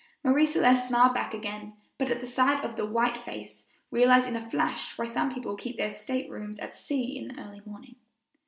Marie Celeste smiled back again, but at the sight of the white face realized in a flash why some people keep their state rooms at sea in the early morning.